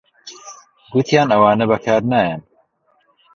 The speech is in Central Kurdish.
گوتیان ئەوانە بەکار نایەن